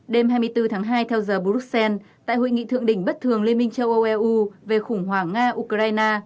đêm hai mươi bốn tháng hai theo giờ bruxelles tại hội nghị thượng đỉnh bất thường liên minh châu âu eu về khủng hoảng nga ukraine